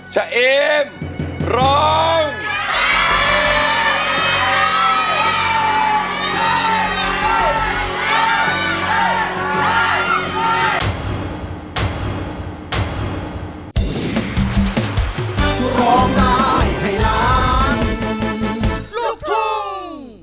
เจ๊เอมร้อง